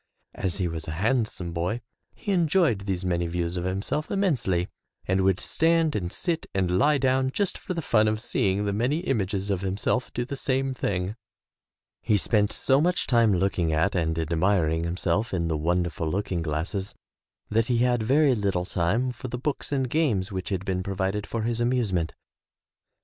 As he was a handsome boy he enjoyed these many views of himself immensely, and would stand and sit and lie down just for the fun of seeing the many images of himself do the same thing. He spent so much time looking at and admiring himself in the wonderful looking glasses that he had very Httle time for the books and games which had been provided for his amuse ment.